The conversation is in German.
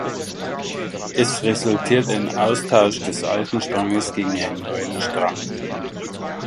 Es resultiert ein Austausch des alten Stranges gegen einen neuen Strang.